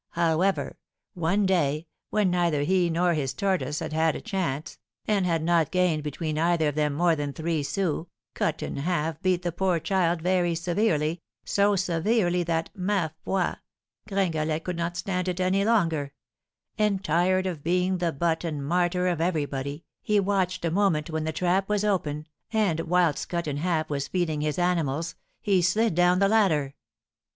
However, one day, when neither he nor his tortoise had had a chance, and had not gained between either of them more than three sous, Cut in Half beat the poor child very severely, so severely that, ma foi! Gringalet could not stand it any longer; and, tired of being the butt and martyr of everybody, he watched a moment when the trap was open, and, whilst Cut in Half was feeding his animals, he slid down the ladder."